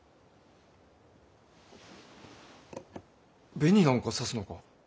紅なんかさすのか？